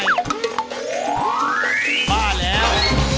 บ้าแล้ว